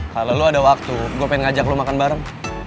kalau lo ada waktu gue pengen ngajak lo makan bareng